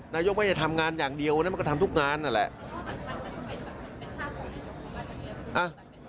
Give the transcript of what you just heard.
นายกไม่ได้ทำงานอย่างเดียวนะมันก็ทำทุกงานนั่นแหละ